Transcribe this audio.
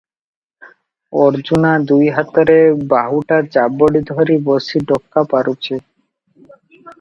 ଅର୍ଜୁନା ଦୁଇ ହାତରେ ବାହୁଟା ଯାବଡ଼ି ଧରି ବସି ଡକା ପାରୁଛି ।